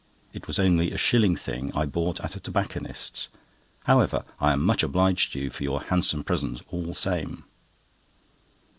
It was only a shilling thing I bought at a tobacconist's. However, I am much obliged to you for your handsome present all same."